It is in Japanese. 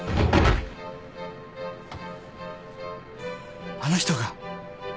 ・あの人が。